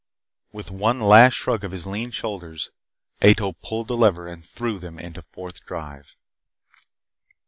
With one last shrug of his lean shoulders, Ato pulled the lever that threw them into the Fourth Drive.